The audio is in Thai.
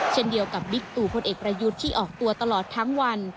เช่นเดียวกับบิ๊กตู่พลเอกประยุทธ์ที่ออกตัวตลอดทั้งวัน